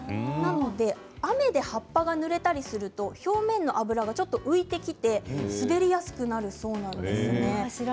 ですから雨で葉っぱはぬれたりすると表面の油がちょっと浮いてきて滑りやすくなりそうなんです。